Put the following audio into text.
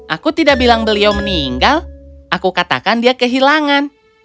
aku tidak bilang beliau meninggal aku katakan dia kehilangan